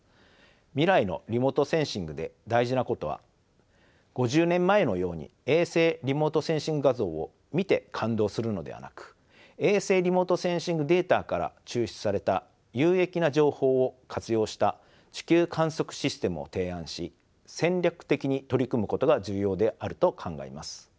未来のリモートセンシングで大事なことは５０年前のように衛星リモートセンシング画像を見て感動するのではなく衛星リモートセンシングデータから抽出された有益な情報を活用した地球観測システムを提案し戦略的に取り組むことが重要であると考えます。